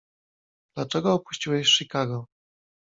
"Dlaczego opuściłeś Chicago?"